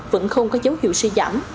vẫn không có dấu hiệu si giảm